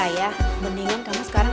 ayah mendingan kamu sekarang